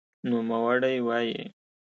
نوموړی وایي،